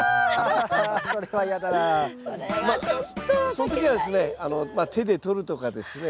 そん時はですね手で捕るとかですね